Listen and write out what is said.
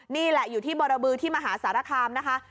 นี่แหละอยู่ที่บรบือที่มหาสารคามนะคะ